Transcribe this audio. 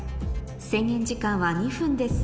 制限時間は２分です